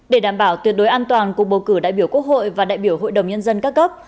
để đảm bảo tuyệt đối an toàn cuộc bầu cử đại biểu quốc hội và đại biểu hội đồng nhân dân các cấp